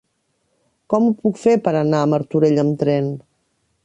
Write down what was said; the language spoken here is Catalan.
Com ho puc fer per anar a Martorell amb tren?